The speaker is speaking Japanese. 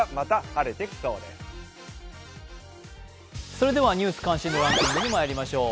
それでは「ニュース関心度ランキング」にまいりましょう。